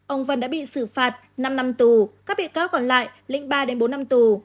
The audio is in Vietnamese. ông vân đã bị xử phạt năm năm tù các bị cáo còn lại lĩnh ba bốn năm tù